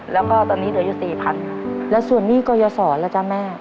แล้วก็ตอนนี้เหลืออยู่สี่พันค่ะแล้วส่วนหนี้ก็อย่าสอแล้วจ้าแม่